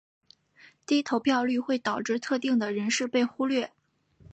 低投票率会导致特定的人士被忽略。